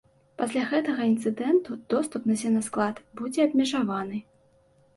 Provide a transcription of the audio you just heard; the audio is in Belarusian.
Пасля гэтага інцыдэнту доступ на сенасклад будзе абмежаваны.